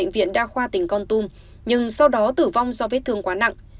bệnh viện đa khoa tỉnh con tum nhưng sau đó tử vong do vết thương quá nặng